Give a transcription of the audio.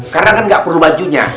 karena kan nggak perlu bajunya